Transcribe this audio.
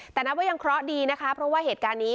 แต่นับว่ายังเคราะห์ดีนะคะเพราะว่าเหตุการณ์นี้